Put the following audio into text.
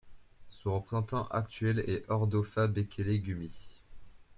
Son représentant actuel est Hordofa Bekele Gumie.